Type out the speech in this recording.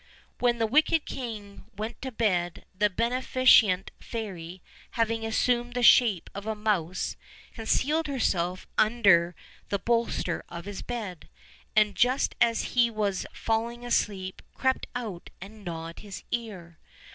When the wicked king went to bed the beneficent fairy, having assumed the shape of a mouse, concealed herself under the bolster of his bed, and just as he was falling asleep crept out and gnawed his ear.